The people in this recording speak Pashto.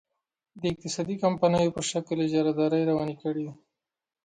د اقتصادي کمپنیو په شکل اجارادارۍ روانې کړي.